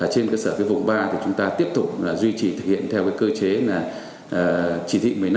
trên cơ sở vùng ba thì chúng ta tiếp tục duy trì thực hiện theo cơ chế chỉ thị một mươi năm